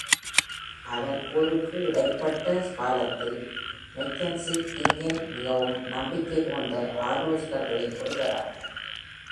அவர் போருக்கு-இடைப்பட்ட காலத்தில் மெக்கன்சி கிங்கின் மிகவும் நம்பிக்கைக்குகந்த ஆலோசகர்களில் ஒருவரானார்.